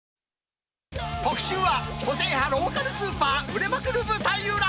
特集は、個性派ローカルスーパー、売れまくる舞台裏。